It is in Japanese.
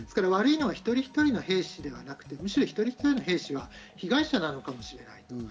悪いのは一人一人の兵士ではなく、むしろ一人一人の兵士は被害者なのかもしれない。